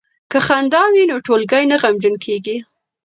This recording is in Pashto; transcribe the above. که خندا وي نو ټولګی نه غمجن کیږي.